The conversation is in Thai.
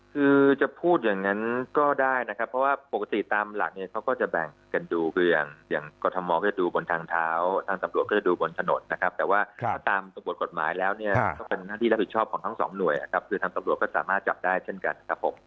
คือจะพูดอย่างนั้นก็ได้นะครับเพราะว่าปกติตามหลักเนี่ยเขาก็จะแบ่งกันดูคืออย่างกรทมก็จะดูบนทางเท้าทางตำรวจก็จะดูบนถนนนะครับแต่ว่าถ้าตามบทกฎหมายแล้วเนี่ยก็เป็นหน้าที่รับผิดชอบของทั้งสองหน่วยนะครับคือทางตำรวจก็สามารถจับได้เช่นกันครับผม